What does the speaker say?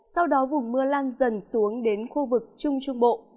sau đó vùng mưa lan dần xuống đến khu vực trung trung bộ